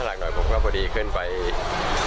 ก็หลายเหมือนกันครับ